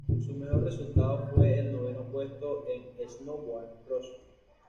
Su mejor resultado fue el noveno puesto en snowboard cross.